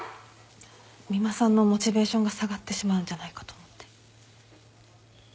三馬さんのモチベーションが下がってしまうんじゃないかと思って。